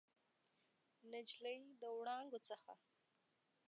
نجلۍ د وړانګو څخه